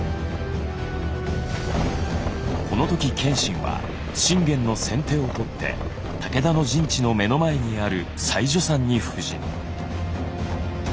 この時謙信は信玄の先手を取って武田の陣地の目の前にある妻女山に布陣。